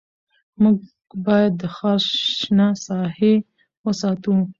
موږ باید د ښار شنه ساحې وساتو